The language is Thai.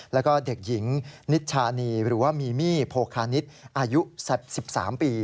แล้วก็เด็กหญิงนิชชานีหรือว่ามีมี่โพคานิตอายุ๑๓ปี